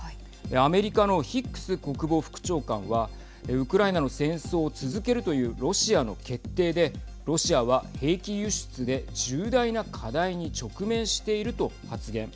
アメリカのヒックス国防副長官はウクライナの戦争を続けるというロシアの決定でロシアは兵器輸出で重大な課題に直面していると発言。